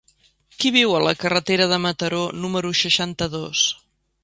Qui viu a la carretera de Mataró número seixanta-dos?